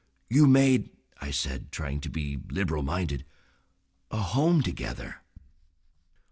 "You made," I said, trying to be liberal minded, "a home together."